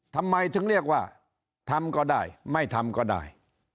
ทำไมถึงเรียกว่าทำก็ได้ไม่ทำก็ได้